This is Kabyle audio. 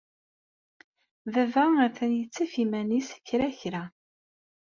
Baba atan yettaf iman-is kra kra.